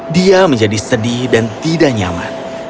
dia menjadi sedih dan tidak nyaman